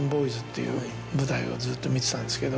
いう舞台をずっと見てたんですけど。